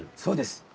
そうです。